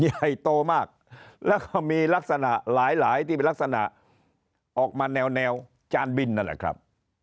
ใหญ่โตมากแล้วก็มีลักษณะหลายที่เป็นลักษณะออกมาแนวจานบินนั่นแหละครับ